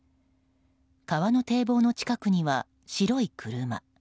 川の堤防の近くには白い車。